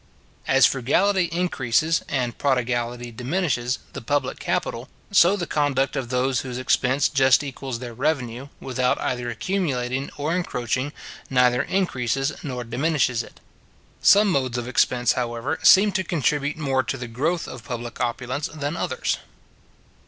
As frugality increases, and prodigality diminishes, the public capital, so the conduct of those whose expense just equals their revenue, without either accumulating or encroaching, neither increases nor diminishes it. Some modes of expense, however, seem to contribute more to the growth of public opulence than others.